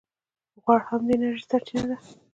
غوړ هم د انرژۍ سرچینه ده